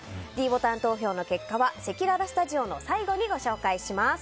ｄボタン投票の結果はせきららスタジオの最後にご紹介します。